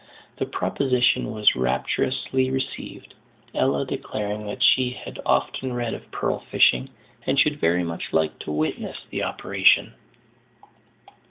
The proposition was rapturously received, Ella declaring that she had often read of pearl fishing, and should very much like to witness the operation.